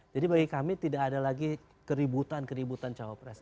jadi bagi kami tidak ada lagi keributan keributan jawab pres